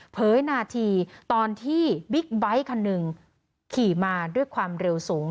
นาทีตอนที่บิ๊กไบท์คันหนึ่งขี่มาด้วยความเร็วสูง